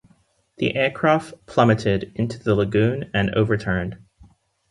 The aircraft plummeted into the lagoon and overturned.